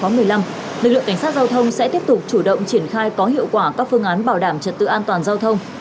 trong đó lực lượng cảnh sát giao thông sẽ tiếp tục chủ động triển khai có hiệu quả các phương án bảo đảm trật tự an toàn giao thông